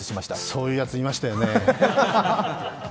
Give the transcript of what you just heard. そういうヤツ、いましたよね